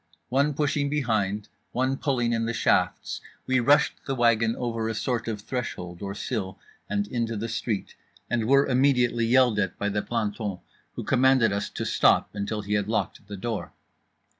One pushing behind, one pulling in the shafts, we rushed the wagon over a sort of threshold or sill and into the street; and were immediately yelled at by the planton, who commanded us to stop until he had locked the door.